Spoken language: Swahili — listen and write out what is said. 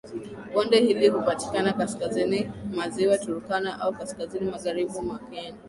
Bonde hili hupatikana kaskazini ma Ziwa Turkana au kaskazini magharibi mwa kenya